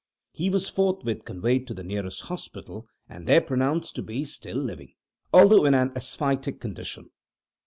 He was forthwith conveyed to the nearest hospital, and there pronounced to be still living, although in an asphytic condition.